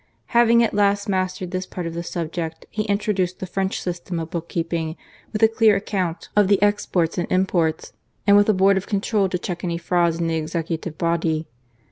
Having at last mastered this part of the subject, he introduced the French system of book keeping, with a clear account of the exports and imports, and with a Board of Control to check any frauds in the Executive body.